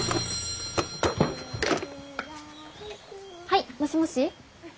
☎はいもしもし。